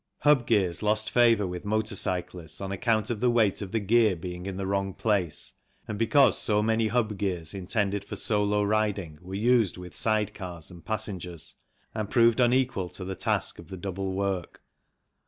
Hub gears lost favour with motor cyclists on account of the weight of the gear being in the wrong place, and because so many hub gears intended for solo riding were used with side cars and passengers, CHANGE SPEED GEARS 63 and proved unequal to the task of the double work.